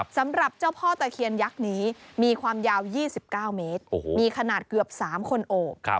สำหรับเจ้าพ่อตะเคียนยักษ์นี้มีความยาว๒๙เมตรมีขนาดเกือบ๓คนโอบ